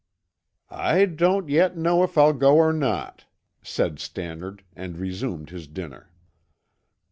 "I don't yet know if I'll go or not," said Stannard and resumed his dinner.